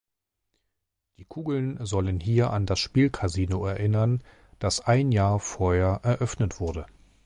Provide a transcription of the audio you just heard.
Die Kugeln sollen hier an das Spielkasino erinnern, das ein Jahr vorher eröffnet wurde.